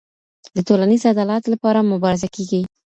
د ټولنیز عدالت لپاره مبارزه کيږي.